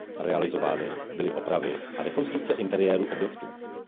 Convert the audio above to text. Realizovány byly opravy a rekonstrukce interiéru objektu.